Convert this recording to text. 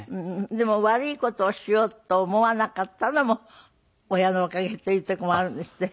でも悪い事をしようと思わなかったのも親のおかげっていうとこもあるんですって？